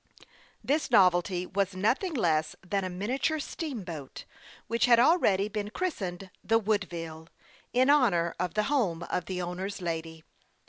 This novelty was nothing less than a miniature steamboat, which had already been christened the " Woodville," in honor of the home of the owner's lady.